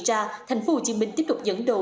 ra thành phố hồ chí minh tiếp tục dẫn đầu